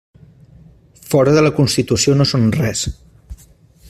Fora de la Constitució no són res.